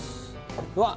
うわっ！